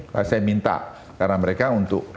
saya minta karena mereka untuk